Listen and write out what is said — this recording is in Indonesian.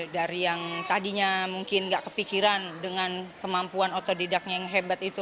dari yang tadinya mungkin gak kepikiran dengan kemampuan otodidaknya yang hebat itu